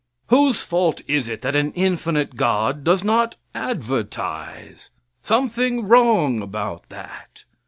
Whose fault is it that an infinite God does not advertise? Something wrong about that.